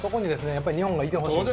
やっぱり日本がいてほしいんで。